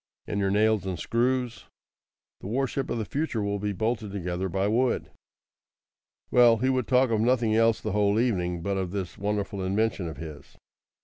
"And your nails and screws?" "The warship of the future will be bolted together by wood." Well, he would talk of nothing else the whole evening but of this wonderful invention of his.